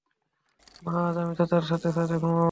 মা, আজ আমি চাচার সাথে ছাদে ঘুমাবো?